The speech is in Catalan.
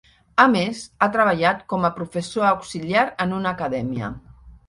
A més, ha treballat com a professor auxiliar en una acadèmia.